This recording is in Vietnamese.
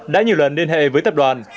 đã nhiều lần liên hệ với tập đoàn